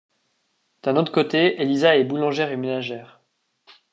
D'un autre côté, Eliza est boulangère et ménagère.